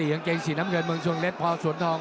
กางเกงสีน้ำเกิดมรษฎรรทรีย์สวังเรชพร้าวสวนทอง